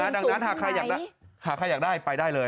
ดังนั้นหากใครอยากได้หากใครอยากได้ไปได้เลย